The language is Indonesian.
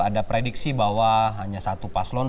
ada prediksi bahwa hanya satu paslon